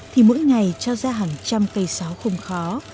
thì mỗi ngày trao ra hàng trăm cây xáo không khó